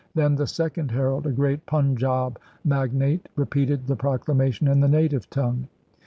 Then the second herald, a great Punjaub magnate, repeated the Proclamation in the native tongue.